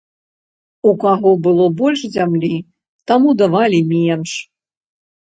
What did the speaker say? У каго было больш зямлі, таму давалі менш.